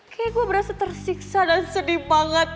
kayaknya gue berasa tersiksa dan sedih banget